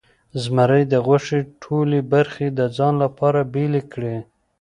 زمري د غوښې ټولې برخې د ځان لپاره بیلې کړې.